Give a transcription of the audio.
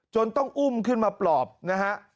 ต้องอุ้มขึ้นมาปลอบนะฮะ